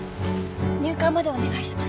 入管までお願いします。